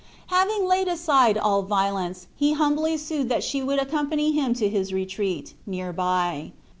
Having laid aside all violence, he humbly sued that she would accompany him to his retreat, near by.